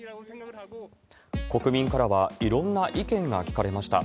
国民からはいろんな意見が聞かれました。